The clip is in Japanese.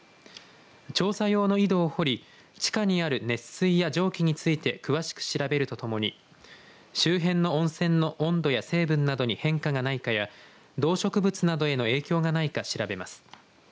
調査用の井戸を掘り地下にある熱水や蒸気について詳しく調べるとともに周辺の温泉の温度や成分などに変化がないかや動植物などへの影響がないか調べます。